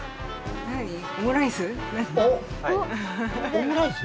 オムライス？